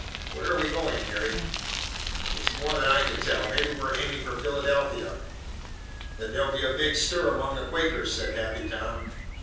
"Where are we going, Harry?" "It's more than I can tell. Maybe we're aiming for Philadelphia." "Then there'll be a big stir among the Quakers," said Happy Tom.